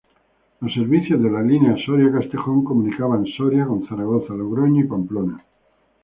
Los servicios de la línea Soria-Castejón, comunicaban Soria con Zaragoza, Logroño y Pamplona.